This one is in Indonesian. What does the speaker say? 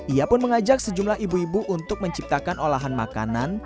ia pun mengajak sejumlah ibu ibu untuk menciptakan olahan makanan